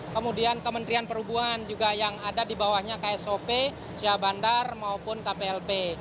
kemudian kementerian perhubungan juga yang ada di bawahnya ksop syah bandar maupun kplp